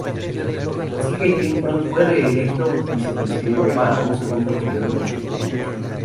Así que Clinton fue reelecto Vicepresidente para un segundo período consecutivo.